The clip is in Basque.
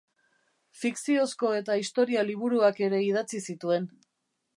Fikziozko eta historia liburuak ere idatzi zituen.